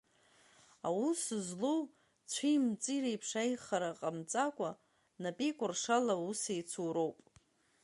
Аус злоу, цәи-мҵи реиԥш, аихара ҟамҵакәа, напеикәыршарала аусеицуроуп.